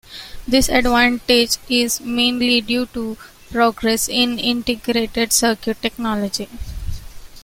This advantage is mainly due to progress in integrated circuit technology.